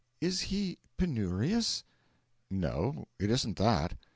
Is he penurious?' 'No it isn't that.